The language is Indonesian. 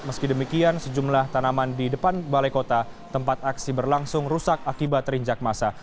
meski demikian sejumlah tanaman di depan balai kota tempat aksi berlangsung rusak akibat terinjak masa